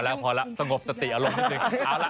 พอแล้วพอแล้วสมมติอารมณ์